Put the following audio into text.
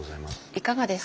いかがですか？